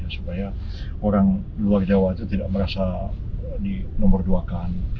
supaya orang luar jawa itu tidak merasa dinomor duakan